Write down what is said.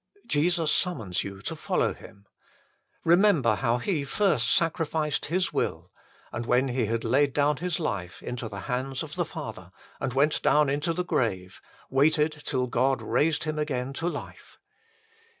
Jesus summons you to follow Him. Eemember how He first sacrificed His will, and when He had laid down His life into the hands of the Father, and went down into the grave, waited till God raised Him again to life.